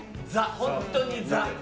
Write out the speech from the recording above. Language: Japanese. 本当にザ。